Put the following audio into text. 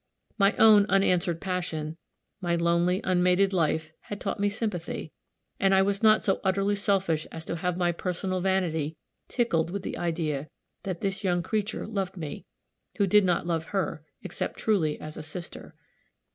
My own unanswered passion my lonely, unmated life had taught me sympathy; and I was not so utterly selfish as to have my personal vanity tickled with the idea that this young creature loved me, who did not love her, except truly as a sister.